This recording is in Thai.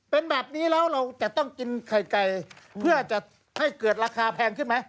เป็นแบบนี้แล้วเราจะต้องกินไข่ไก่เพื่อจะให้เกิดราคาแพงขึ้นไหม